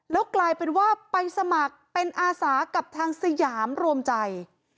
แล้วกลายเป็นว่าไปสมัครเป็นอาสากับทางสยามรวมใจ